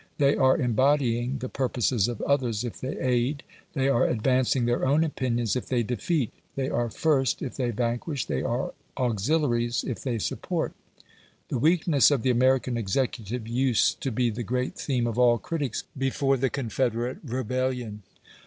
They are embodying the purposes of others if they aid; they are advancing their own opinions if they defeat: they are first if they vanquish; they are auxiliaries if they support. The weakness of the American executive used to be the great theme of all critics before the Confederate rebellion.